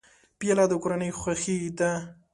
پیاله د کورنۍ خوښي ده.